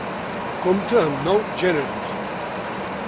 Compta amb nou gèneres.